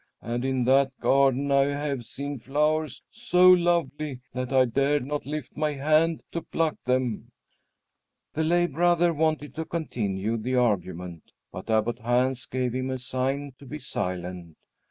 And in that garden I have seen flowers so lovely that I dared not lift my hand to pluck them." The lay brother wanted to continue the argument, but Abbot Hans gave him a sign to be silent.